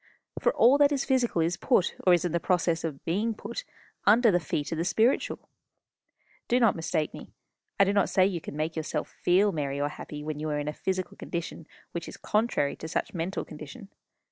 For all that is physical is put, or is in the process of being put, under the feet of the spiritual. Do not mistake me. I do not say you can make yourself feel merry or happy when you are in a physical condition which is contrary to such mental condition.